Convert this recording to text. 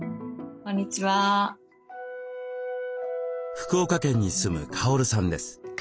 福岡県に住むカオルさんです。